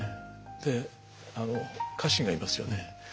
で家臣がいますよね。